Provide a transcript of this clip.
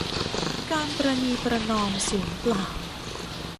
การประนีประนอมสูญเปล่า